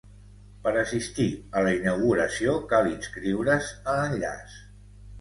Per assistir a la inauguració cal inscriure's a l'enllaç.